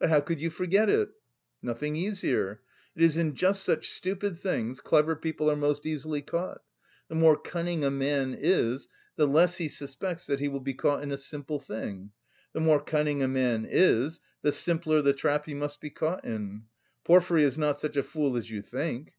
"But how could you forget it?" "Nothing easier. It is in just such stupid things clever people are most easily caught. The more cunning a man is, the less he suspects that he will be caught in a simple thing. The more cunning a man is, the simpler the trap he must be caught in. Porfiry is not such a fool as you think...."